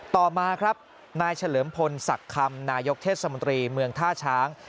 ต่อมาครับนายเฉลิมพลศักดิ์คำนายกเทศมนตรีเมืองท่าช้าง